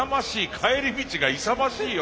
帰り道が勇ましいよ